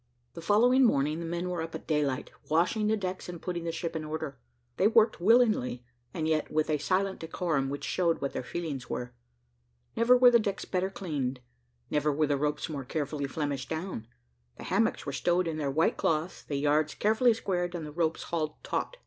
The following morning the men were up at daylight, washing the decks and putting the ship in order; they worked willingly, and yet with a silent decorum which showed what their feelings were. Never were the decks better cleaned, never were the ropes more carefully flemished down; the hammocks were stowed in their white cloths, the yards carefully squared, and the ropes hauled taut.